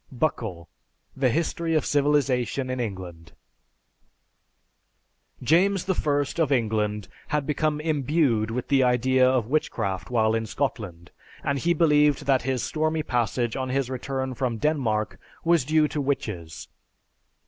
(Buckle: "The History of Civilization in England.") James I of England had become imbued with the idea of witchcraft while in Scotland, and he believed that his stormy passage on his return from Denmark was due to witches.